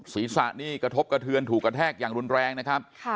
ศีรษะนี่กระทบกระเทือนถูกกระแทกอย่างรุนแรงนะครับ